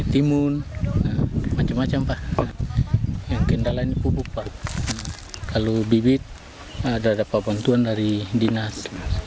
timun macam macam pak yang kendala ini pupuk pak kalau bibit ada dapat bantuan dari dinas